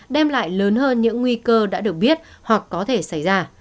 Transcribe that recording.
đem lại lớn hơn những nguy cơ đã được biết hoặc có thể xảy ra